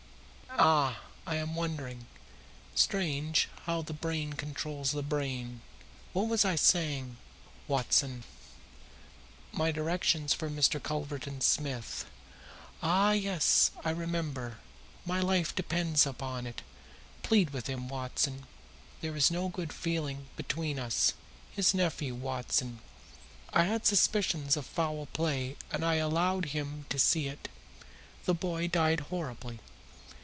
Ah, I am wandering! Strange how the brain controls the brain! What was I saying, Watson?" "My directions for Mr. Culverton Smith." "Ah, yes, I remember. My life depends upon it. Plead with him, Watson. There is no good feeling between us. His nephew, Watson I had suspicions of foul play and I allowed him to see it. The boy died horribly.